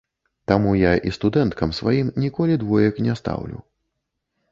Таму я і студэнткам сваім ніколі двоек не стаўлю!